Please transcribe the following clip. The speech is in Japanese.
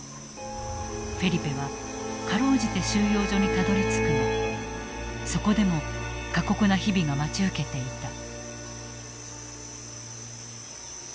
フェリペは辛うじて収容所にたどりつくがそこでも過酷な日々が待ち受けていた。